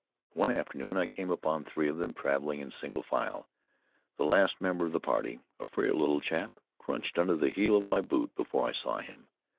One afternoon I came upon three of them traveling in single file; the last member of the party — a frail little chap — crunched under the heel of my boot before I saw him.